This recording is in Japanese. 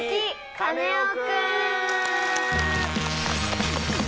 カネオくん」！